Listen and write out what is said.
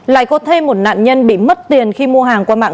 lại có thêm một nạn nhân bị mất tiền khi mua hàng qua mạng